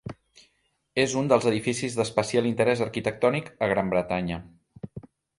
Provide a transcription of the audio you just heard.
És un dels edificis d'especial interès arquitectònic a Gran Bretanya.